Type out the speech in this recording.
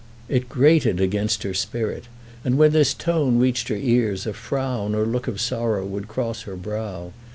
It grated against her spirit; and when this tone reached her ears a frown or look of sorrow would cross her brow.